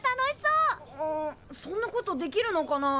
うんそんなことできるのかな？